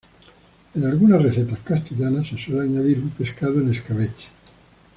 En algunas recetas castellanas se suele añadir un pescado en escabeche.